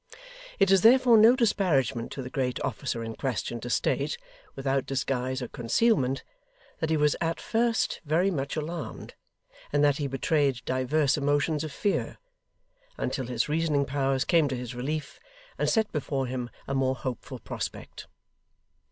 It is therefore no disparagement to the great officer in question to state, without disguise or concealment, that he was at first very much alarmed, and that he betrayed divers emotions of fear, until his reasoning powers came to his relief, and set before him a more hopeful prospect.